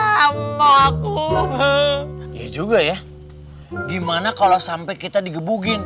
kalau aku ya juga ya gimana kalau sampai kita digebukin